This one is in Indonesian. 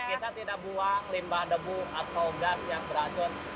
kita tidak buang limbah debu atau gas yang beracun